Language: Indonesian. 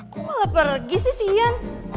kok malah pergi sih si ian